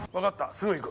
すぐ行く。